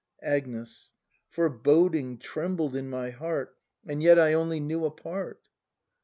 Agnes. Foreboding trembled in my heart, — And yet I only knew a part.